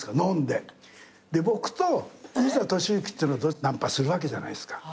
で僕と西田敏行っていうのはナンパするわけじゃないですか。